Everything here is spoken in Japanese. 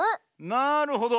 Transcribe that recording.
なるほど！